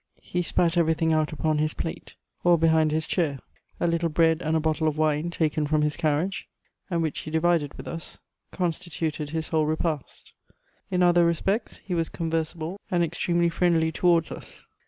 He spat everything out upon his plate or behind his chair. A little bread and a bottle of wine taken from his carriage, and which he divided with us, constituted his whole repast. In other respects he was conversible and extremely friendly towards us.